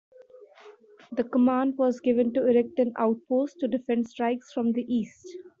The command was given to erect an outpost to defend strikes from the east.